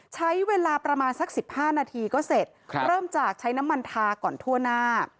ใช้เวลาประมาณสัก๑๕นาทีก็เสร็จเริ่มจากใช้น้ำมันทาก่อนทั่วหน้า